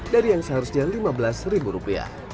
dari yang seharusnya rp lima belas